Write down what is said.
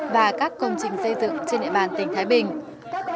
và các công trình xây dựng trên địa bàn tỉnh thái bình